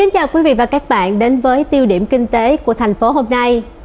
chào mừng quý vị và các bạn đến với tiêu điểm kinh tế của thành phố hôm nay